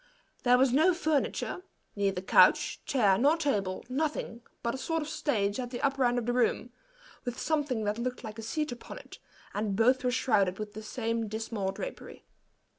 There was no furniture neither couch, chair, nor table nothing but a sort of stage at the upper end of the room, with something that looked like a seat upon it, and both were shrouded with the same dismal drapery.